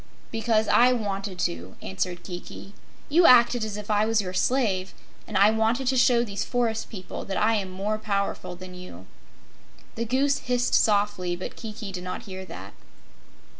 "Because I wanted to," answered Kiki. "You acted as if I was your slave, and I wanted to show these forest people that I am more powerful than you." The Goose hissed softly, but Kiki did not hear that.